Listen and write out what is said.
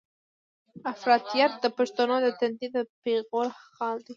افراطيت د پښتنو د تندي د پېغور خال دی.